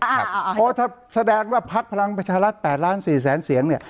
เพราะว่าถ้าแสดงว่าพักพลังประชารัฐ๘ล้าน๔แสนเสียงเนี่ย